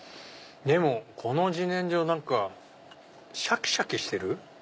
でもこの自然薯シャキシャキしてる？